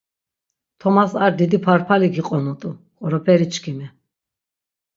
Tomas ar didi parpali giqonut̆u qoroperi çkimi.